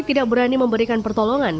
tidak berani memberikan pertolongan